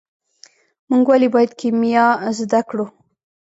موږ ولې باید کیمیا زده کړو.